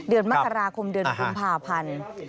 เดือนมกราคมเดือนกุมภาพันธ์